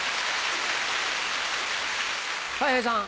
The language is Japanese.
たい平さん。